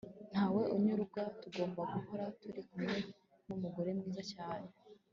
ntawe unyurwa tugomba guhora turi kumwe n'umugore mwiza cyane